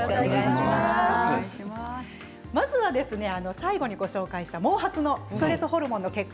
まずは最後にご紹介した毛髪のストレスホルモンの結果。